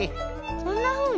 こんなふうに？